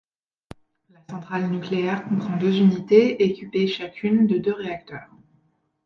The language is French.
La centrale nucléaire comprend deux unités équipées chacune de deux réacteurs.